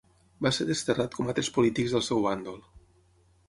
Va ser desterrat com altres polítics del seu bàndol.